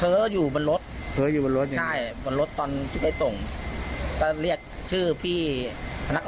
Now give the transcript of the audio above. เราก็ก่อนถึงโรงพิธีกราศาสนภาคเขาก็ได้เงียบไปสักครั้ง